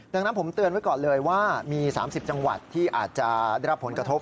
ดังนั้นผมเตือนไว้ก่อนเลยว่ามี๓๐จังหวัดที่อาจจะได้รับผลกระทบ